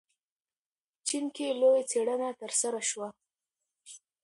چین کې لویه څېړنه ترسره شوه.